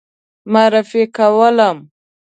معرفي کولم.